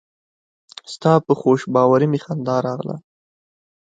ستا په خوشباوري مې خندا راغله.